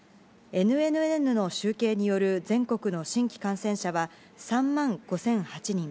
ＮＮＮの集計による全国の新規感染者は３万５００８人。